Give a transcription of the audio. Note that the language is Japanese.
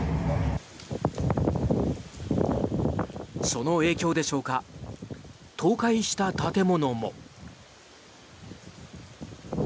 その影響でしょうか倒壊した建物も。